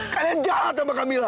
kalian jahat sama kamila